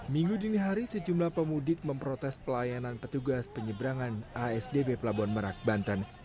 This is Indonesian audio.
minggu dini hari sejumlah pemudik memprotes pelayanan petugas penyebrangan asdp pelabuhan merak banten